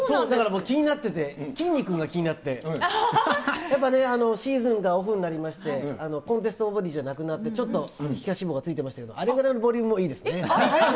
だから気になってて、きんに君が気になって、やっぱりシーズンがオフになりまして、コンテスト終わりじゃなくなって、ちょっと皮下脂肪がついていましたけど、あれぐらいのボリュームがいいですね。